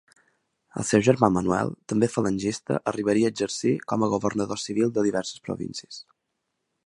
El seu germà Manuel, també falangista, arribaria exercir com a governador civil de diverses províncies.